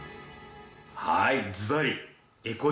はい！